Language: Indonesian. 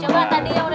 satu dua tiga